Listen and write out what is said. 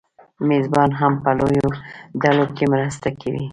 مېږیان هم په لویو ډلو کې مرسته کوي.